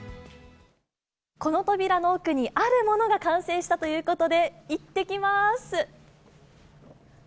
この扉の奥に、あるものが完成したということで、いってきます。